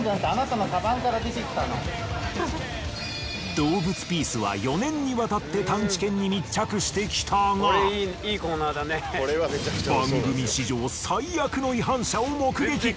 『どうぶつピース！！』は４年にわたって探知犬に密着してきたが番組史上最悪の違反者を目撃。